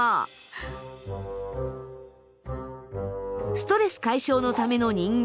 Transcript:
ストレス解消のための人形。